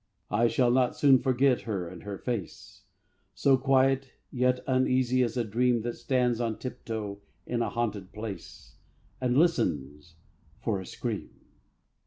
I shall not soon forget her and her face, So quiet, yet uneasy as a dream, That stands on tip toe in a haunted place And listens for a scream.